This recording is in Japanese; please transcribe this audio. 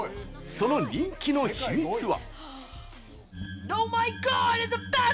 その人気の秘密は。